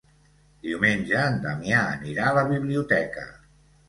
Diumenge en Damià anirà a la biblioteca.